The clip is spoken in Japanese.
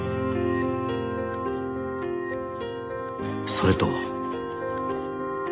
「それと」